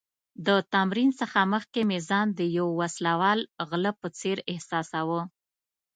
د تمرین څخه مخکې مې ځان د یو وسله وال غله په څېر احساساوه.